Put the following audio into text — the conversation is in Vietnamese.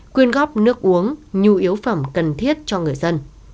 quyên góp nước uống nhu yếu phẩm cần thiết cho người dân